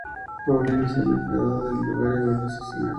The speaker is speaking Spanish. Paulina sale enfadada del lugar y vuelve al escenario.